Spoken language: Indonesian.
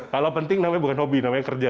kalau penting namanya bukan hobi namanya kerja